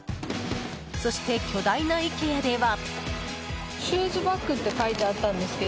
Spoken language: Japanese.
そして、巨大なイケアでは。